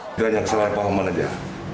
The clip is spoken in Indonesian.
tidak ada kesalahpahaman saja